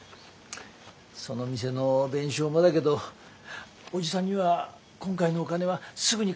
その店の弁償もだけどおじさんには今回のお金はすぐに返すと言ってあるんだよね？